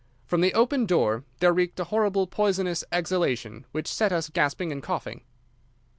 From the open door there reeked a horrible poisonous exhalation which set us gasping and coughing.